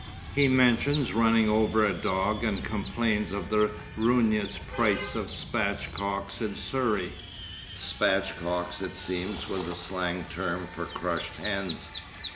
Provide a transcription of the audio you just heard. He mentions running over a dog and complains of the ruinous price of 'spatchcocks' in Surrey. 'Spatchcocks,' it seems, was a slang term for crushed hens.